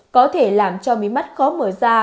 có thể làm cho mí mắt khó mở ra